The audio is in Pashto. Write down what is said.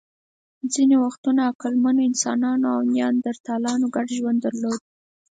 ځینې وختونه عقلمنو انسانانو او نیاندرتالانو ګډ ژوند درلود.